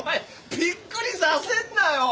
びっくりさせんなよ。